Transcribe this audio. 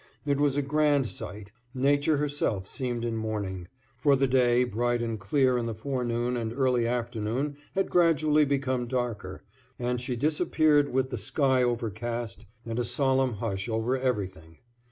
It was a grand sight; Nature herself seemed in mourning; for the day, bright and clear in the forenoon and early afternoon, had gradually become darker, and she disappeared with the sky overcast and a solemn hush over everything.